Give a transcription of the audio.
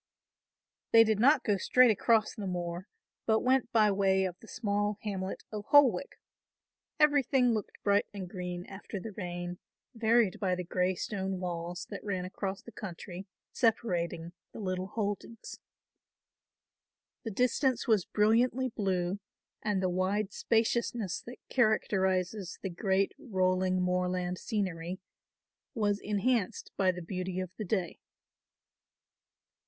They did not go straight across the moor, but went by way of the small hamlet of Holwick. Everything looked bright and green after the rain, varied by the grey stone walls, that ran across the country, separating the little holdings. The distance was brilliantly blue and the wide spaciousness that characterises the great rolling moorland scenery was enhanced by the beauty of the day.